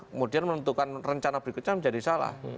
kemudian menentukan rencana berikutnya menjadi salah